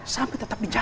sampai tetap dijaga